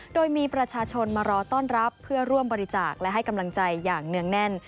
โดยมีประชาชนมารอต้อนรับเพื่อร่วมบริจาคและให้กำลังใจอย่างเนื่องแน่น